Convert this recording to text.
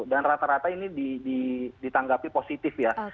dan rata rata ini ditanggapi positif ya